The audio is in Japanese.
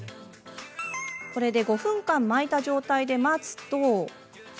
５分間、巻いた状態で待つと。